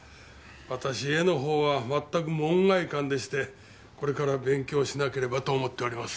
私絵の方は全く門外漢でしてこれから勉強しなければと思っております。